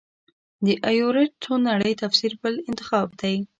د ایورېټ څو نړۍ تفسیر بل انتخاب دی.